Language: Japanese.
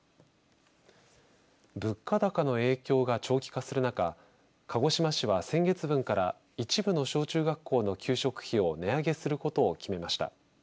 物価高の影響が長期化する中鹿児島市は先月分から一部の小中学校の給食費を値上げすることを決めました。